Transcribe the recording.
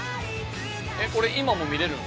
えっこれ今も見れるの？